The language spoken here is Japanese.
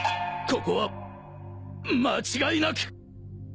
こここは間違いなく！